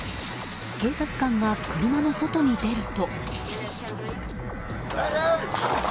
警察官が車の外に出ると。